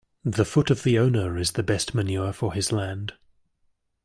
The foot of the owner is the best manure for his land.